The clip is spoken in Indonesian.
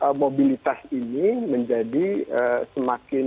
nah tentu mobilitas ini menjadi semakin berkeliling